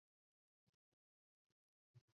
死刑判决将依法报请最高人民法院核准。